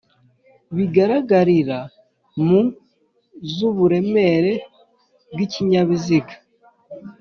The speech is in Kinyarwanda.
bigaragarira muri m z' uburemure bw' ikinzabiziga